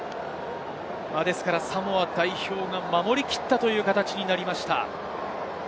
サモア代表が守り切ったという形になりました。